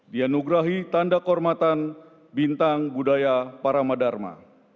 dianugerahi tanda kehormatan bintang budaya paramadharma